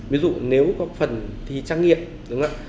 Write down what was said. ví dụ nếu có phần thi trang nghiệm